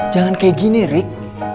jangan kaya gini rik